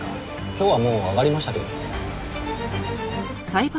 今日はもう上がりましたけど。